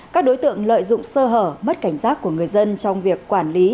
các đối tượng lợi dụng sơ hở mất cảnh giác của người dân trong việc quản lý